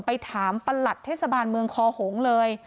ไปถามประหลัดเทศบาลเมืองคอหงษ์เลย